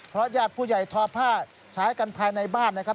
เพราะญาติผู้ใหญ่ทอผ้าใช้กันภายในบ้านนะครับ